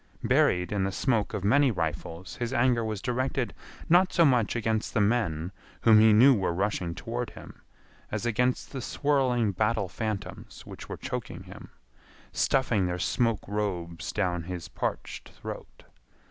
Buried in the smoke of many rifles his anger was directed not so much against the men whom he knew were rushing toward him as against the swirling battle phantoms which were choking him, stuffing their smoke robes down his parched throat.